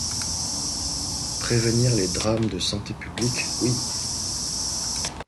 Prévenir les drames de santé publique, oui.